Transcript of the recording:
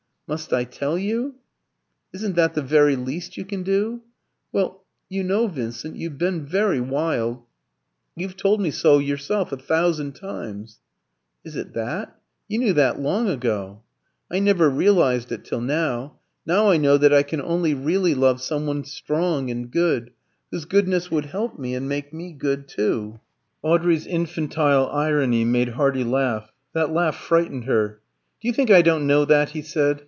"Must I tell you?" "Isn't that the very least you can do?" "Well you know, Vincent, you've been very wild; you've told me so yourself a thousand times." "Is it that? You knew that long ago." "I never realised it till now. Now I know that I can only really love some one strong and good, whose goodness would help me and make me good too." Audrey's infantile irony made Hardy laugh. That laugh frightened her. "Do you think I don't know that?" he said.